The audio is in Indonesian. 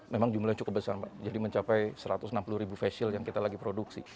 memang jumlahnya cukup besar jadi mencapai satu ratus enam puluh ribu face shield yang kita lagi produksi